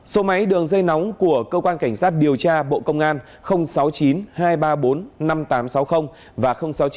số máy đường dây nóng của cơ quan cảnh sát điều tra bộ công an sáu mươi chín hai trăm ba mươi bốn năm nghìn tám trăm sáu mươi và sáu mươi chín hai trăm ba mươi một một nghìn sáu trăm bảy